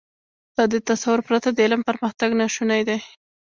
له دې تصور پرته د علم پرمختګ ناشونی دی.